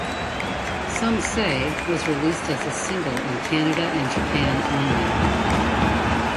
"Some Say" was released as single in Canada and Japan only.